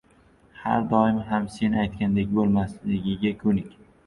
Har doim ham sen aytgandek bo'lmasligiga ko'nik!